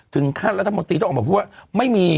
ถึงขั้นรัฐมนตรีต้องออกมาพูดว่า